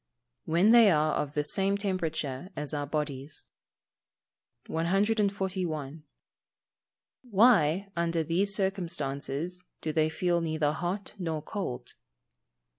_ When they are of the same temperature as our bodies. 141. _Why, under these circumstances, do they feel neither hot nor cold?